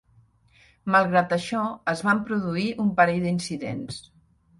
Malgrat això, es van produir un parell d'incidents.